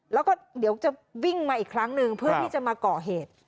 แล้วก็เดี๋ยวจะวิ่งมาอีกครั้งหนึ่งเพื่อที่จะมาก่อเหตุ